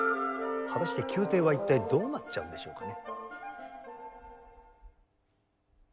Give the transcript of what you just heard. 果たして宮廷は一体どうなっちゃうんでしょうかね？